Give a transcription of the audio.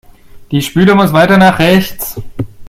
Die Spüle muss weiter nach rechts.